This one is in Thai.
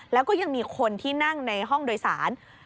แล้วก็ยังมีคนที่นั่งในห้องโดยสาร